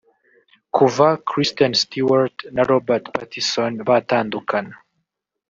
Kuva Kristen Stewart na Robert Pattison batandukana